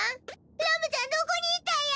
ラムちゃんどこに行ったんや！？